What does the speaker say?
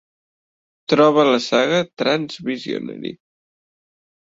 Troba la saga Trance Visionary